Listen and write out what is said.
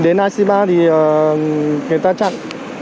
đến ic ba thì người ta chặn